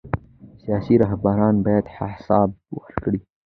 سیاسي رهبران باید حساب ورکړي